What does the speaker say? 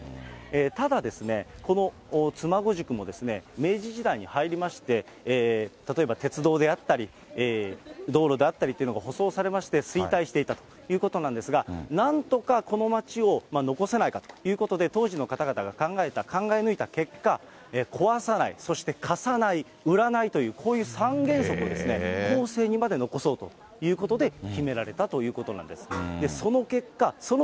ただですね、この妻籠宿も明治時代に入りまして、例えば、鉄道であったり、道路であったりというのが舗装されまして、衰退していったということなんですが、なんとかこの町を残せないかということで、当時の方々が考えた、考え抜いた結果、壊さない、そして貸さない、売らないという、こういう３原則を後世にまで残そうということで、決められたということなんです。